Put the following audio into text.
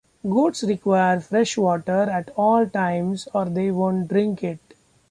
Goats require fresh water at all times or they won't drink it.